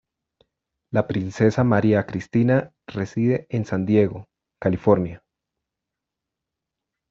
La princesa María Cristina reside en San Diego, California.